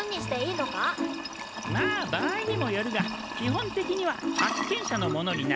まあ場合にもよるが基本的には発見者のものになる。